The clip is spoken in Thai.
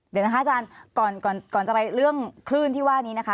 เดี๋ยวนะคะอาจารย์ก่อนจะไปเรื่องคลื่นที่ว่านี้นะคะ